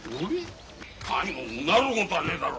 何もうなることはねえだろ。